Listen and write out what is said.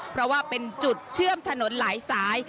เพราะว่าเป็นจุดเชื่อมถนนหลายสาย